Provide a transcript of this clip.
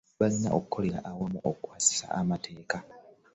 Balina okukolaganira awamu okukwasisa amateeka.